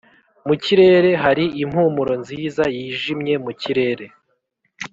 mu kirere hari impumuro nziza yijimye mu kirere,